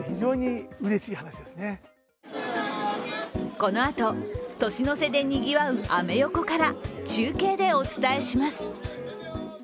このあと、年の瀬でにぎわうアメ横から中継でお伝えします。